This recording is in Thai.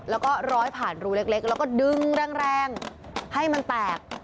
แล้วก็ร้อยผ่านรูเล็กแล้วก็ดึงแรงให้มันแตก